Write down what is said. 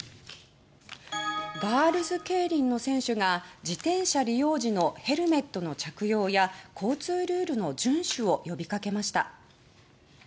ガールズケイリンの選手が自転車利用時のヘルメットの着用や交通ルールの順守を呼びかけました。